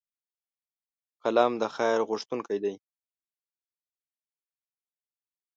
قلم د خیر غوښتونکی دی